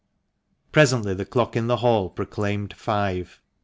Presently the clock in the hall proclaimed " five."